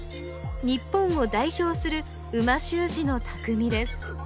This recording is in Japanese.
日本を代表する美味しゅう字のたくみです